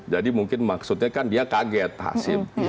jadi mungkin maksudnya kan dia kaget pak hasim